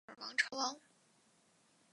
斯渥克尔王朝的瑞典国王。